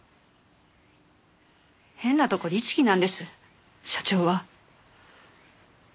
変なとこ律義なんです社長は。